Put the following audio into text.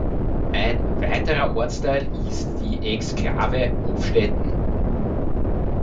Ein weiterer Ortsteil ist die Exklave Hofstätten.